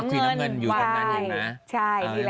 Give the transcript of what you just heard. สีน้ำเงินอยู่ตรงนั้นเองนะ